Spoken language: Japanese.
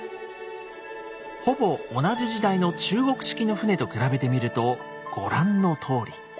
ほぼ同じ時代の中国式の船と比べてみるとご覧のとおり。